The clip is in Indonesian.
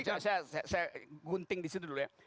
coba coba saya gunting disitu dulu ya